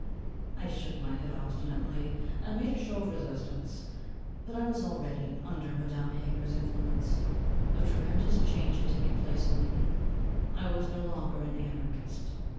_' I shook my head obstinately: I made a show of resistance: but I was already under Madame Heger's influence. A tremendous change had taken place in me. I was no longer an Anarchist.